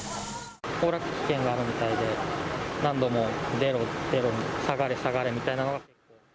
崩落危険があるみたいで、何度も出ろ、出ろ、下がれ、下がれみたいなのが。